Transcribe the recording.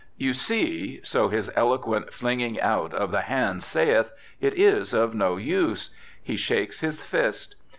You see, so his eloquent flinging out of the hands saith, it is of no use. He shakes his fist.